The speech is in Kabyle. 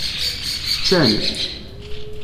Ččan.